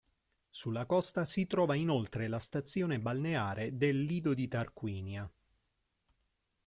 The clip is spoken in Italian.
Sulla costa si trova inoltre la stazione balneare del Lido di Tarquinia.